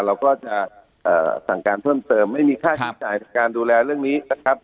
เราก็จะสั่งการเพิ่มเติมไม่มีค่าใช้จ่ายในการดูแลเรื่องนี้นะครับ